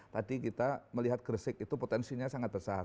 tadi kita melihat gresik itu potensinya sangat besar